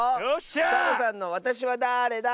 サボさんの「わたしはだーれだ？」。